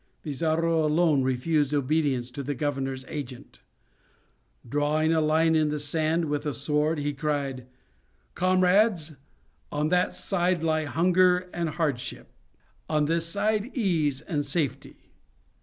Pizarro alone refused obedience to the governor's agent. Drawing a line on the sand with his sword, he cried: "Comrades! on that side lie hunger and hardship; on this side, ease and safety.